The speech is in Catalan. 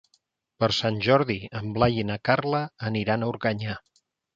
Per Sant Jordi en Blai i na Carla aniran a Organyà.